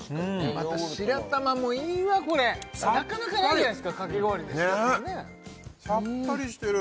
また白玉もいいわこれなかなかないですからかき氷に白玉ねさっぱりしてる！